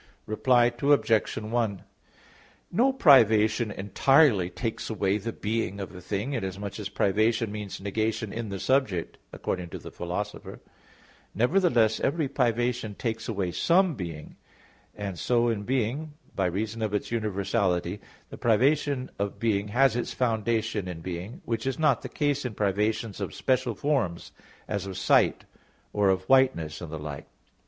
Reply Obj. 1: No privation entirely takes away the being of a thing, inasmuch as privation means "negation in the subject," according to the Philosopher (Categor. viii). Nevertheless every privation takes away some being; and so in being, by reason of its universality, the privation of being has its foundation in being; which is not the case in privations of special forms, as of sight, or of whiteness and the like.